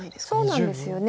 そうなんですよね。